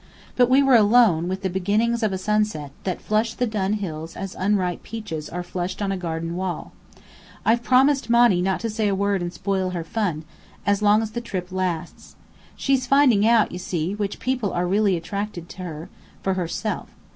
But we were alone with the beginnings of a sunset, that flushed the dun hills as unripe peaches are flushed on a garden wall. "I've promised Monny not to say a word and spoil her fun, as long as the trip lasts. She's finding out, you see, which people are really attracted to her, for herself.